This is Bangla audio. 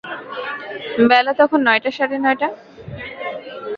বেলা তখন নয়টা সাড়ে-নয়টা।